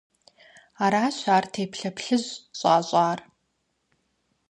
Аращ ар теплъэ плъыжь щӏащӏар.